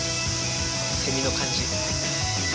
セミの感じ。